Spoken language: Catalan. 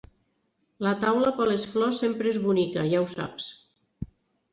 La taula per les flors sempre és bonica, ja ho saps.